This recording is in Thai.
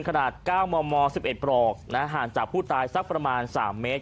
ขนาด๙มม๑๑ปลอกห่างจากผู้ตายสักประมาณ๓เมตร